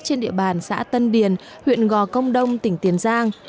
trên địa bàn xã tân điền huyện gò công đông tỉnh tiền giang